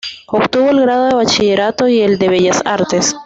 Obtuvo el grado de bachillerato y el de bellas artes.